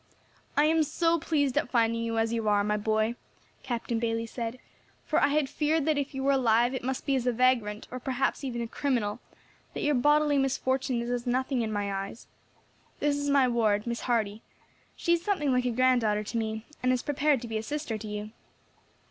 "I am so pleased at finding you as you are, my boy," Captain Bayley said, "for I had feared that if you were alive it must be as a vagrant, or perhaps even a criminal, that your bodily misfortune is as nothing in my eyes. This is my ward, Miss Hardy; she is something like a granddaughter to me, and is prepared to be a sister to you."